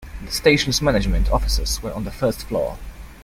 The station's management offices were on the first floor.